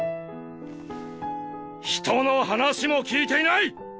人の話も聞いていない！